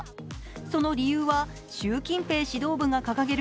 その理由は習近平指導部が掲げる